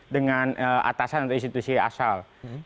dengan atasan atau institusi asal